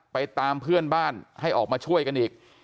ตามเพื่อนบ้านให้ออกมาช่วยกันอีก